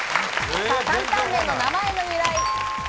担々麺の名前の由来。